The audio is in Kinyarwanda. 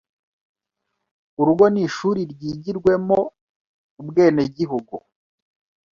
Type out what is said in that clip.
Urugo ni ishuri ryigirwemo ubwenegihugu